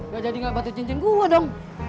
gak jadi ngeliat batu cincin gue dong